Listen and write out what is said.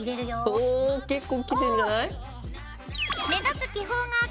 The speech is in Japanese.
お結構きてんじゃない？